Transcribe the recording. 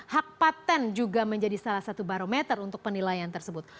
hak patent juga menjadi salah satu barometer untuk penilaian tersebut